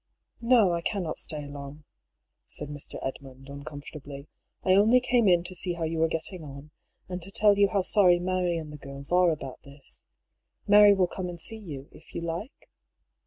" No, I cannot stay long,'* said Mr. Edmund, un comfortably. " I only came in to see how you were get ting on, and to tell you how sorry Mary and the girls are about this. Mary will come and see you, if you like